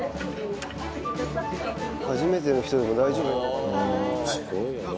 初めての人でも大丈夫なのかな？